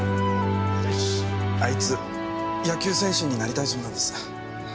あいつ野球選手になりたいそうなんです。